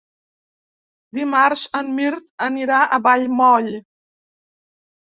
Dimarts en Mirt anirà a Vallmoll.